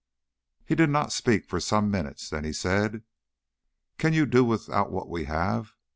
He did not speak for some minutes. Then he said, "Can you do without what we have?"